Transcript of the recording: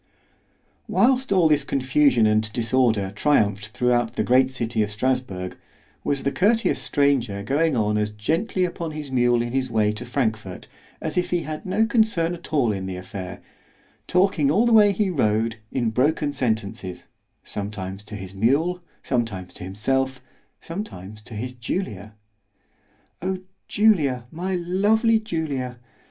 _ Whilst all this confusion and disorder triumphed throughout the great city of Strasburg, was the courteous stranger going on as gently upon his mule in his way to Frankfort, as if he had no concern at all in the affair——talking all the way he rode in broken sentences, sometimes to his mule—sometimes to himself—sometimes to his Julia. O Julia, my lovely Julia!